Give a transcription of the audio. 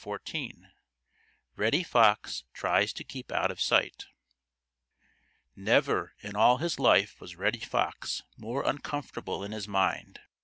XIV REDDY FOX TRIES TO KEEP OUT OF SIGHT Never in all his life was Reddy Fox more uncomfortable in his mind.